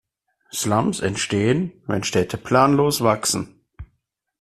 Slums entstehen, wenn Städte planlos wachsen.